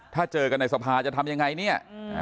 ถ้าเจอกันในสภาจะทำยังไงเนี่ย